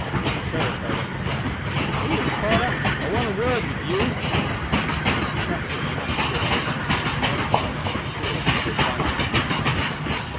The sheriff held up his hand. "William Porter, I want a word with you." A shutter in an upper room opened, and an elderly man appeared with a rifle in his hand.